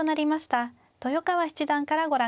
豊川七段からご覧下さい。